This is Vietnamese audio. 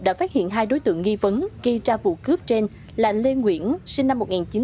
đã phát hiện hai đối tượng nghi vấn gây ra vụ cướp trên là lê nguyễn sinh năm một nghìn chín trăm tám mươi